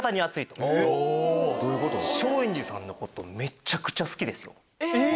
松陰寺さんのことめっちゃくちゃ好きですよ。